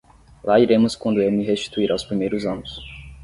lá iremos quando eu me restituir aos primeiros anos